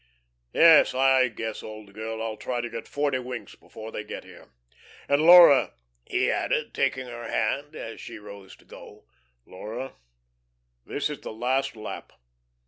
Yes, I guess, old girl, I'll try to get forty winks before they get here. And, Laura," he added, taking her hand as she rose to go, "Laura, this is the last lap.